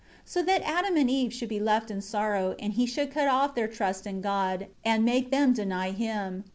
15 So that Adam and Eve should be left in sorrow, and he should cut off their trust in God, and make them deny Him.